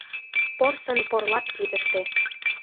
Порсын порлат кидыште